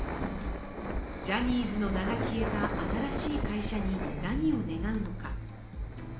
ジャニーズの名が消えた新しい会社に何を願うのか。